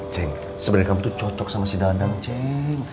ceng sebenarnya kamu tuh cocok sama si dadang ceng